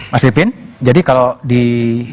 mas ipin jadi kalau saya berkata kata jadi saya berkata